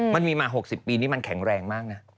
มันมีมา๖๐ปีนี่มันแข็งแรงมากนะ